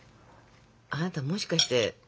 あなたもしかして？